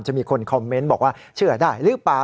จะมีคนคอมเมนต์บอกว่าเชื่อได้หรือเปล่า